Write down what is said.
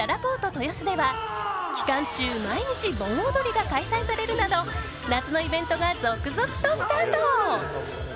豊洲では期間中毎日、盆踊りが開催されるなど夏のイベントが続々とスタート。